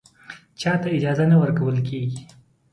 چا ته اجازه نه ورکول کېږي